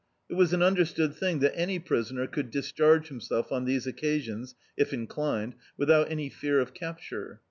It was an understood thing that any prisoner could discharge himself on these occasions, if inclined, without any fear of cap ture.